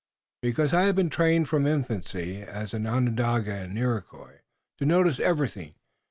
"Because I have been trained from infancy, as an Onondaga and Iroquois, to notice everything.